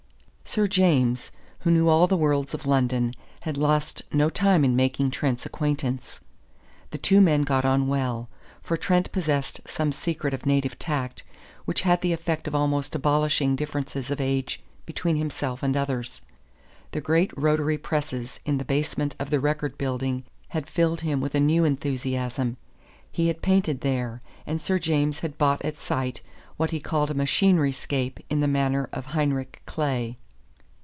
Sir James, who knew all the worlds of London, had lost no time in making Trent's acquaintance. The two men got on well; for Trent possessed some secret of native tact which had the effect of almost abolishing differences of age between himself and others. The great rotary presses in the basement of the Record building had filled him with a new enthusiasm: he had painted there, and Sir James had bought at sight, what he called a machinery scape in the manner of Heinrich Kley.